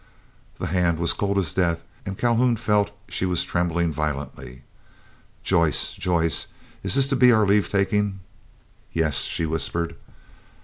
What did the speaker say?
The hand was cold as death, and Calhoun felt that she was trembling violently. "Joyce! Joyce! is this to be our leave taking?" "Yes," she whispered.